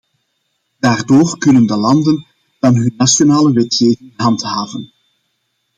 Daardoor kunnen de landen dan hun nationale wetgeving handhaven.